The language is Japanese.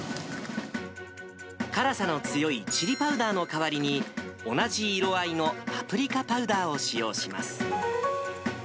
辛さの強いチリパウダーの代わりに、同じ色合いのパプリカパウダーを使用します。